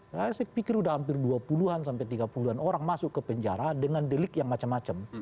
saya pikir sudah hampir dua puluh an sampai tiga puluh an orang masuk ke penjara dengan delik yang macam macam